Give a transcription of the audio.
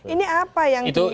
ini apa yang diinginkan